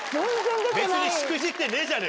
別にしくじってねえじゃねぇか！